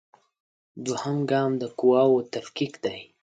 دوهم ګام د قواوو تفکیک دی.